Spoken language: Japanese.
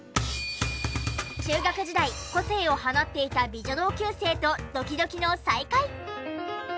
中学時代個性を放っていた美女同級生とドキドキの再会。